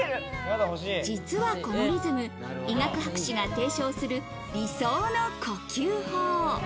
実はこのリズム、医学博士が提唱する理想の呼吸法。